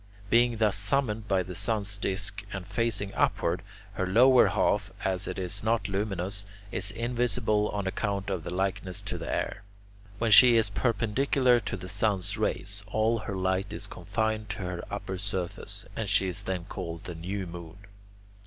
Being thus summoned by the sun's disc and facing upward, her lower half, as it is not luminous, is invisible on account of its likeness to the air. When she is perpendicular to the sun's rays, all her light is confined to her upper surface, and she is then called the new moon.